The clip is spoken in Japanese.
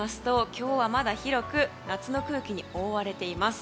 今日は、まだ広く夏の空気に覆われています。